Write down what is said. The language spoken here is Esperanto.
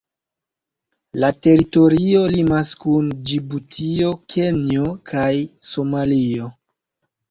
La teritorio limas kun Ĝibutio, Kenjo kaj Somalio.